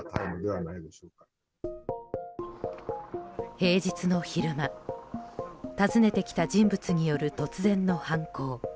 平日の昼間訪ねてきた人物による突然の犯行。